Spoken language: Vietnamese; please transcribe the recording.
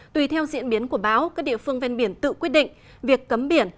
tùy theo diễn biến của báo các địa phương ven biển tự quyết định việc cấm biển